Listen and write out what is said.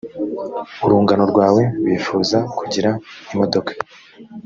urungano rwawe bifuza kugira imodoka.